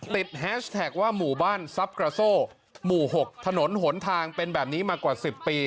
แฮชแท็กว่าหมู่บ้านซับกระโซ่หมู่๖ถนนหนทางเป็นแบบนี้มากว่า๑๐ปี